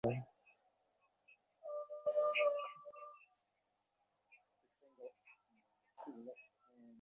শঙ্কিত বালিকা কোনো বাধা দিল না।